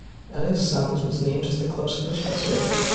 Elias Sanz was named as the club's first president.